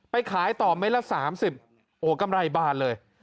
ขายต่อเม็ดละ๓๐โอ้กำไรบานเลย